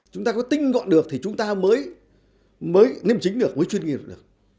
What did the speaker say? chúng ta có tinh gọn được thì chúng ta mới liêm chính được mới chuyên nghiệp được